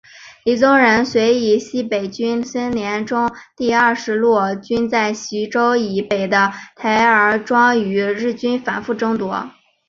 李宗仁遂以西北军孙连仲第二十六路军在徐州以北的台儿庄与日军反复争夺。